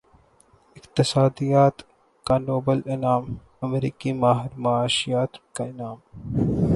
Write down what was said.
اقتصادیات کا نوبل انعام امریکی ماہر معاشیات کے نام